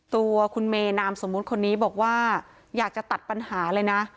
ตัวคุณเมนามสมมุติคนนี้บอกว่าอยากจะตัดปัญหาเลยนะ